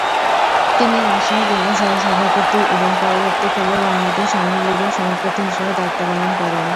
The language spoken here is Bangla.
তিনি রাজশাহী জেলা সহ-সভাপতি এবং পরবর্তীকালে বাংলাদেশ আওয়ামী লীগের সভাপতি হিসাবে দায়িত্ব পালন করেন।